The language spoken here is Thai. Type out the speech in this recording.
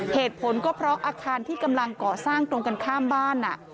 เหตุผลก็เพราะอาคารที่กำลังก่อสร้างตรงกันข้ามบ้าน